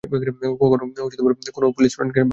কখনো কোন Polish girlfriend পালাতে পেরেছে?